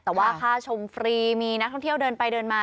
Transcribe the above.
แต่ว่าค่าชมฟรีมีนักท่องเที่ยวเดินไปเดินมา